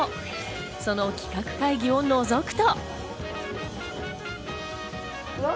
その企画会議をのぞくと。